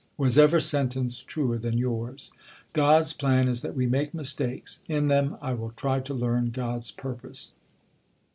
Was ever sentence truer than yours? "God's plan is that we make mistakes; in them I will try to learn God's purpose."